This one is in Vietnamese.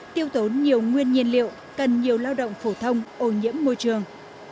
tiêu tốn nhiều nguyên nhiên liệu cần nhiều lao động phổ thông ô nhiễm môi trường